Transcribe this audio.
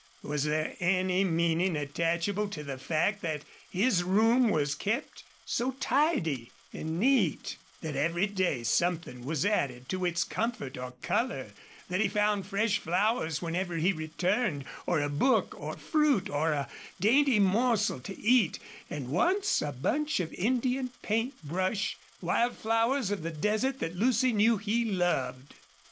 Was there any meaning attachable to the fact that his room was kept so tidy and neat, that every day something was added to its comfort or color, that he found fresh flowers whenever he returned, or a book, or fruit, or a dainty morsel to eat, and once a bunch of Indian paint brush, wild flowers of the desert that Lucy knew he loved?